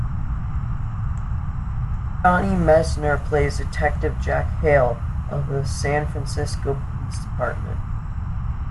Johnny Messner plays Detective Jack Hale of the San Francisco Police Department.